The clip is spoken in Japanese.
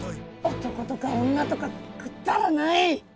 男とか女とかくだらない！